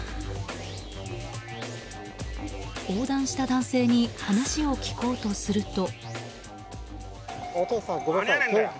横断した男性に話を聞こうとすると。